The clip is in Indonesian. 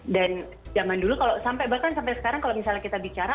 dan zaman dulu kalau sampai bahkan sampai sekarang kalau misalnya kita bicara